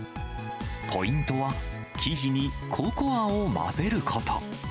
ポイントは、生地にココアを混ぜること。